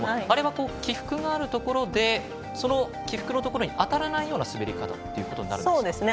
あれは起伏があるところで起伏のところに当たらないような滑り方となるんでしょうか。